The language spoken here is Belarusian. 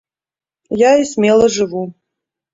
Я і смела жыву.